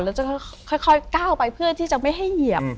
แล้วจะค่อยก้าวไปเพื่อที่จะไม่ให้เหยียบ